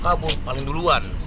kalau kabur paling duluan